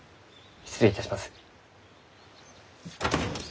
失礼いたします。